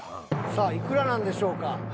さあいくらなんでしょうか？